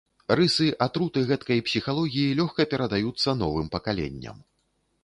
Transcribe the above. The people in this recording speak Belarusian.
Рысы атруты гэткай псіхалогіі лёгка перадаюцца новым пакаленням.